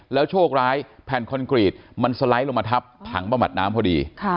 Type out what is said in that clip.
โชคร้ายแผ่นคอนกรีตมันสไลด์ลงมาทับถังประบัดน้ำพอดี